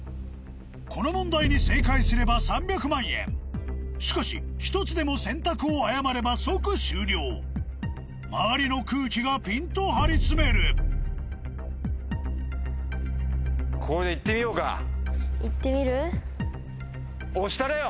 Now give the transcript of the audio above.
この問題に正解すれば３００万円しかし１つでも選択を誤れば即終了周りの空気がぴんと張り詰める押したれよ！